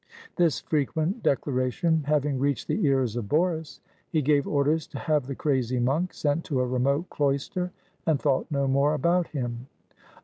This frequent declaration having reached the ears of Boris, he gave orders to have the crazy monk sent to a remote cloister, and thought no more about him.